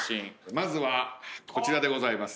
まずはこちらでございます。